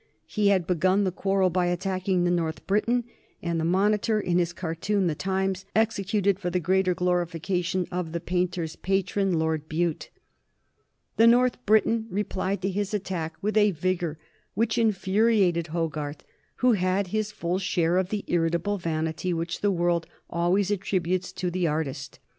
He had begun the quarrel by attacking the North Briton and the Monitor in his cartoon "The Times," executed for the greater glorification of the painter's patron, Lord Bute. The North Briton replied to this attack with a vigor which infuriated Hogarth, who had his full share of the irritable vanity which the world always attributes to the artist.